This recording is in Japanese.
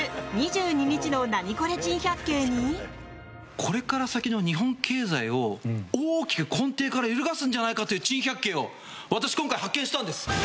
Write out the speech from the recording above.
これから先の日本経済を大きく根底から揺るがすんじゃないかという珍百景を私、今回発見したんです。